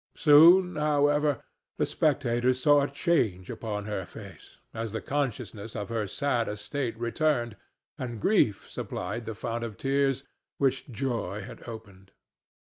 Soon, however, the spectators saw a change upon her face as the consciousness of her sad estate returned, and grief supplied the fount of tears which joy had opened.